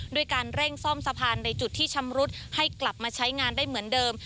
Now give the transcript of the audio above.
ด้วยการเร่งซ่อมสะพานในจุดที่ชำรุดให้กลับมาใช้งานได้เหมือนเดิม